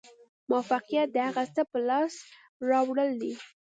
موفقیت د هغه څه په لاس راوړل دي.